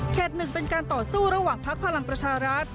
หนึ่งเป็นการต่อสู้ระหว่างพักพลังประชารัฐ